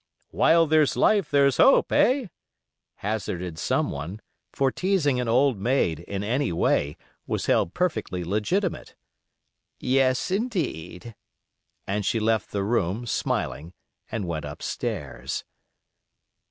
"While there's life there's hope, eh?" hazarded some one; for teasing an old maid, in any way, was held perfectly legitimate. "Yes, indeed," and she left the room, smiling, and went up stairs.